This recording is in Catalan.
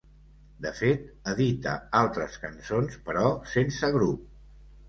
De fet, edita altres cançons, però sense grup.